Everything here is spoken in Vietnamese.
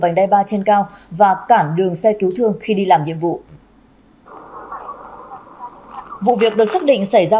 vành đai ba trên cao và cản đường xe cứu thương khi đi làm nhiệm vụ việc được xác định xảy ra